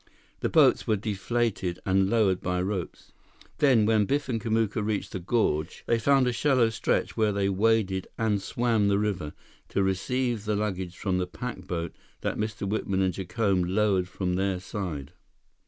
The boats were deflated and lowered by ropes. Then, when Biff and Kamuka reached the gorge, they found a shallow stretch where they waded and swam the river, to receive the luggage from the pack boat that Mr. Whitman and Jacome lowered from their side.